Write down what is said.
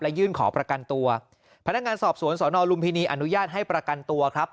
ยื่นขอประกันตัวพนักงานสอบสวนสนลุมพินีอนุญาตให้ประกันตัวครับ